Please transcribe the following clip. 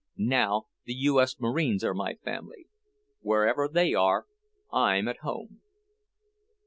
Now the U. S. Marines are my family. Wherever they are, I'm at home."